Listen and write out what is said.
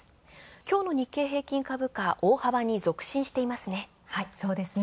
今日の日経平均株価、大幅に続伸していますね。